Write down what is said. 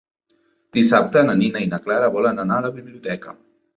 Dissabte na Nina i na Clara volen anar a la biblioteca.